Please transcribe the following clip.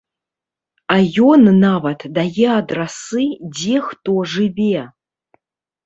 А ён нават дае адрасы, дзе хто жыве.